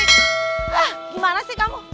hah gimana sih kamu